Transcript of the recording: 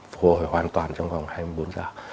phục hồi hoàn toàn trong vòng hai mươi bốn giờ